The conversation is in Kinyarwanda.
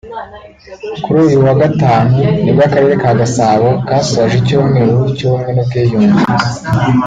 Kuri uyu wa Gatanu nibwo Akarere ka Gasabo kasoje icyumweru cy’ubumwe n’ubwiyunge